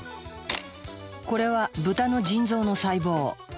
これはブタの腎臓の細胞。